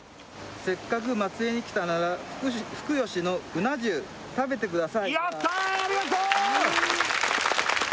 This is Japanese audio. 「せっかく松江に来たならふくよしのうな重」「食べてください」